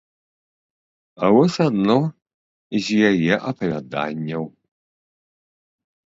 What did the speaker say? Вось адно з яе апавяданняў.